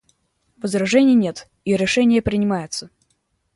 Возражений нет, и решение принимается.